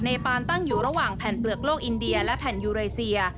ปานตั้งอยู่ระหว่างแผ่นเปลือกโลกอินเดียและแผ่นยูเรเซีย